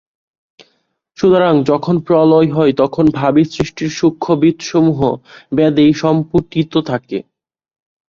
সুতরাং যখন প্রলয় হয়, তখন ভাবী সৃষ্টির সূক্ষ্ম বীজসমূহ বেদেই সম্পুটিত থাকে।